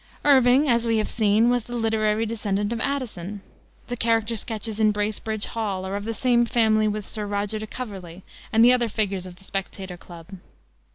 Irving, as we have seen, was the literary descendant of Addison. The character sketches in Bracebridge Hall are of the same family with Sir Roger de Coverley and the other figures of the Spectator Club.